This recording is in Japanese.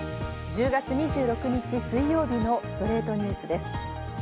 １０月２６日、水曜日の『ストレイトニュース』です。